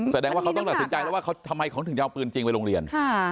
แสดงว่าเขาต้องตัดสินใจแล้วว่าเขาทำไมเขาถึงจะเอาปืนจริงไปโรงเรียน